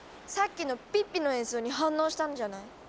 さっきのピッピの演奏に反応したんじゃない？